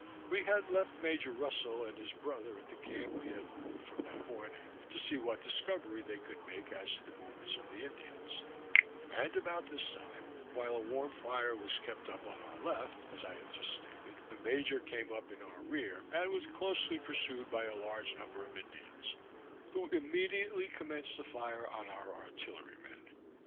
We had left Major Russel and his brother at the camp we had moved from that morning, to see what discovery they could make as to the movements of the Indians; and about this time, while a warm fire was kept up on our left, as I have just stated, the major came up in our rear, and was closely pursued by a large number of Indians, who immediately commenced a fire on our artillery men.